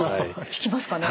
効きますかね？